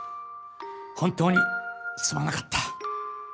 本当にすまなかった。